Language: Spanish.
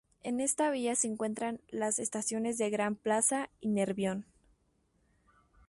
En esta vía se encuentran las estaciones de Gran Plaza y Nervión.